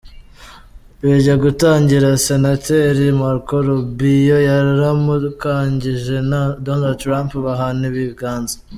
Bijya gutangira, Senateri Marco Rubio yaramukanyije na Donald Trump bahana ibiganza.